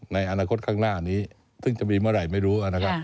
ในอนาคตข้างหน้านี้ซึ่งจะมีเมื่อไหร่ไม่รู้นะครับ